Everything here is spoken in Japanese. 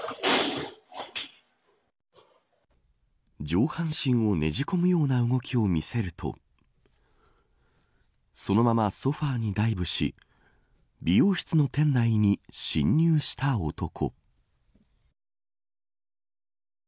上半身をねじ込むような動きを見せるとそのままソファにダイブし美容室の店内に侵入した男。